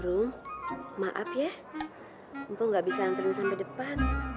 rum maaf ya mpok gak bisa nganterin sampai depan